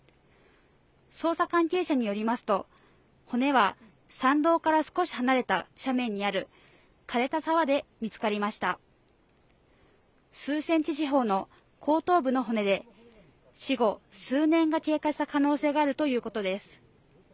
捜査関係者によりますと骨は山道から少し離れた斜面にある沢で見つかりました数センチ四方の後頭部の骨で死後数年が経過した可能性があるということです